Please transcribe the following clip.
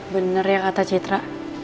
bener ya kata citra